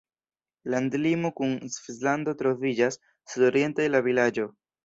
Landlimo kun Svislando troviĝas sudoriente de la vilaĝo.